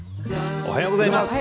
おはようございます。